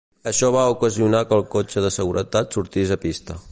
Això va ocasionar que el cotxe de seguretat sortís a pista.